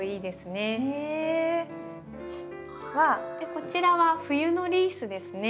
こちらは冬のリースですね。